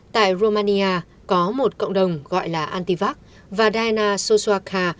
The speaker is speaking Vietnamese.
tại romania có một cộng đồng gọi là antivac và diana sosaka